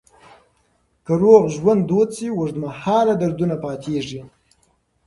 که روغ ژوند دود شي، اوږدمهاله دردونه نه پاتې کېږي.